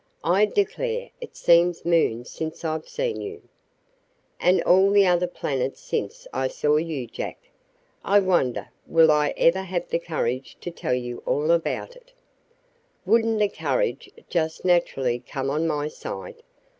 "I declare it seems moons since I've seen you." "And all the other planets since I saw you, Jack. I wonder will I ever have the courage to tell you all about it?" "Wouldn't the courage just naturally come on my side?